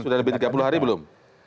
sudah lebih tiga puluh hari belum